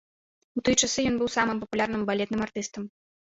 У тыя часы ён быў самым папулярным балетным артыстам.